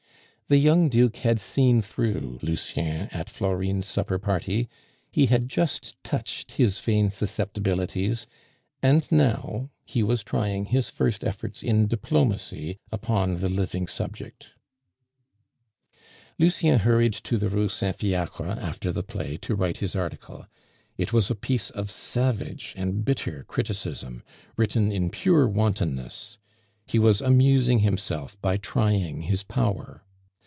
The young Duke had seen through Lucien at Florine's supper party; he had just touched his vain susceptibilities; and now he was trying his first efforts in diplomacy upon the living subject. Lucien hurried to the Rue Saint Fiacre after the play to write his article. It was a piece of savage and bitter criticism, written in pure wantonness; he was amusing himself by trying his power.